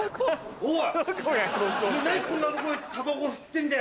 おい！